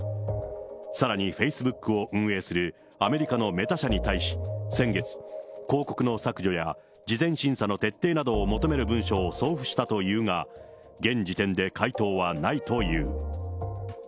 さらにフェイスブックを運営するアメリカのメタ社に対し、先月、広告の削除や事前審査の徹底などを求める文書を送付したというが、現時点で回答はないという。